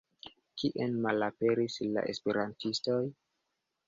Kien malaperis la esperantistoj?